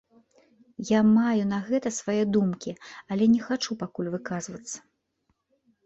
Я маю на гэта свае думкі, але не хачу пакуль выказвацца.